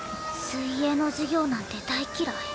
水泳の授業なんて大きらい。